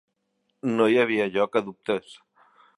No hi havia lloc a dubtes.